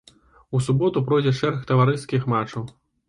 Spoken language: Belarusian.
У суботу пройдзе шэраг таварыскіх матчаў.